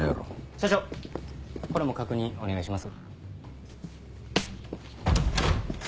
社長これも確認お願いします。